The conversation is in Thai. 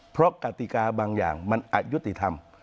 เพราะกติกาบางอย่างมันอายุติธรรม